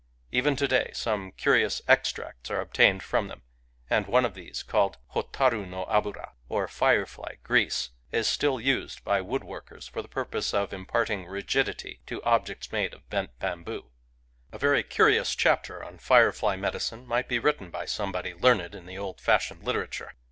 Even to day some curious extracts are obtained from them; and one of these, called Hotaru no Digitized by Googk FIREFLIES 149 aburdj or Firefly grease, is still used by wood workers for the purpose of imparting rigidity to objects made of bent bamboo. A very curious chapter on firefly medicine might be written by somebody learned in the old fash ioned literature.